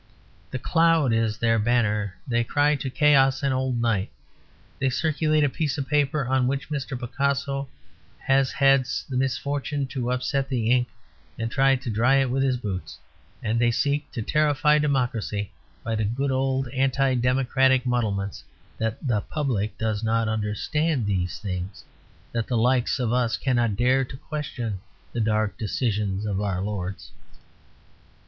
The cloud is their banner; they cry to chaos and old night. They circulate a piece of paper on which Mr. Picasso has had the misfortune to upset the ink and tried to dry it with his boots, and they seek to terrify democracy by the good old anti democratic muddlements: that "the public" does not understand these things; that "the likes of us" cannot dare to question the dark decisions of our lords.